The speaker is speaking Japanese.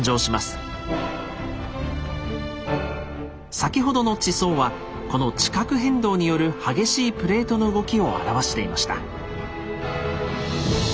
先ほどの地層はこの地殻変動による激しいプレートの動きを表していました。